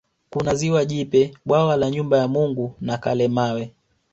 Kuna ziwa Jipe bwawa la Nyumba ya Mungu na Kalemawe